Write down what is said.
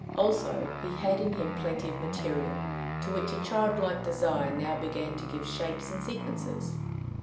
Also he had in him plenty of material, to which a childlike desire now began to give shapes and sequences.